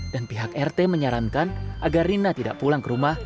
dan pihak rt menyarankan agar rina tidak pulang ke rumah